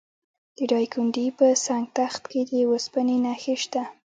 د دایکنډي په سنګ تخت کې د وسپنې نښې شته.